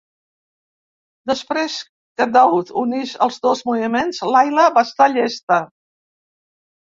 Després que Dowd unís els dos moviments, "Layla" va estar llesta.